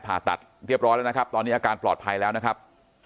ผ่าตัดเรียบร้อยแล้วนะครับตอนนี้อาการปลอดภัยแล้วนะครับ